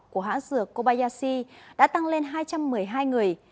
của hãng dược kobayashi đã tăng lên hai trăm một mươi hai người